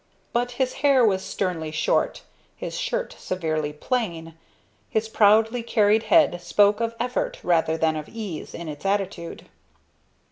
But his hair was sternly short, his shirt severely plain, his proudly carried head spoke of effort rather than of ease in its attitude.